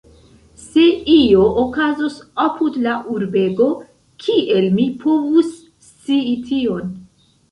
Se io okazos apud la urbego, kiel mi povus scii tion?